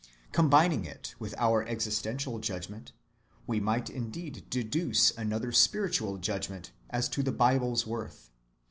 Combining it with our existential judgment, we might indeed deduce another spiritual judgment as to the Bible's worth.